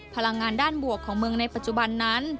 พลังงานด้านบวกของเมืองในปัจจุบันนั้น